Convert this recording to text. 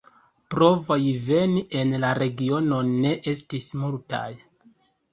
Provoj veni en la regionon ne estis multaj.